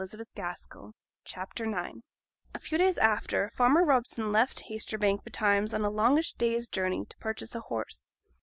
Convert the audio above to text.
CHAPTER IX THE SPECKSIONEER A few days after, Farmer Robson left Haytersbank betimes on a longish day's journey, to purchase a horse.